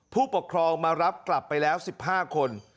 ผู้ปกครองมารับกลับไปแล้ว๑๕คน